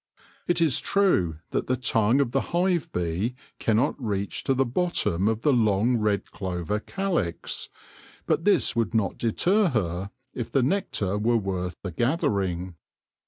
It is true that the tongue of the hive bee cannot reach to the bottom of the long red clover calyx, but this would not deter her if the nectar were worth the gathering.